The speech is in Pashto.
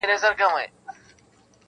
چي كرلې يې لمبې پر ګرګينانو-